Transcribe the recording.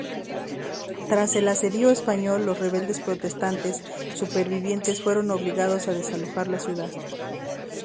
Tras el asedio español, los rebeldes protestantes supervivientes fueron obligados a desalojar la ciudad.